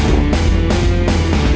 udah bocan mbak